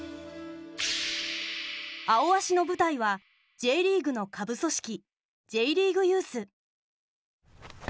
「アオアシ」の舞台はＪリーグの下部組織Ｊリーグユース。